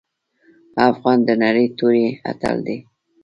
افغان د نرۍ توري اتل دی.